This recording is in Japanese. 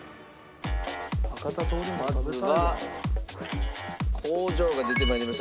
まずは工場が出て参りました。